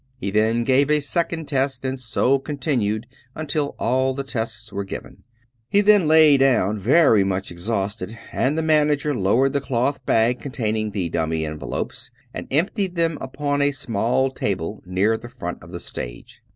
He then gave a second test, and so continued until all the tests were g^ven. He then lay down very much ex hausted, and the manager lowered the cloth bag contain ing the dummy envelopes, and emptied them upon a small table near the front of the stage.